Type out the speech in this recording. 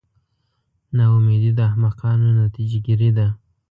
نا امیدي د احمقانو نتیجه ګیري ده.